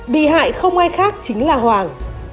bị hại không ai khác chính là hoàng